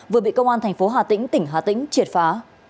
vừa bị công an tp hà tĩnh tỉnh hà tĩnh triệt phá